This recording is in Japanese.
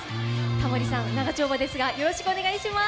タモリさん、長丁場ですがよろしくお願いします！